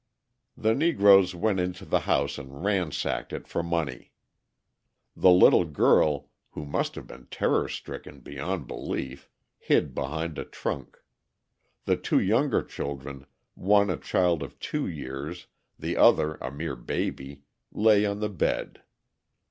The Negroes went into the house and ransacked it for money. The little girl, who must have been terror stricken beyond belief, hid behind a trunk; the two younger children, one a child of two years, the other a mere baby, lay on the bed.